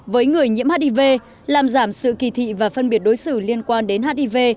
với người nhiễm hiv làm giảm sự kỳ thị và phân biệt đối xử liên quan đến hiv